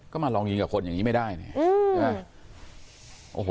ก็มาลองยิงกับคนอย่างนี้ไม่ได้เนี่ยใช่ไหม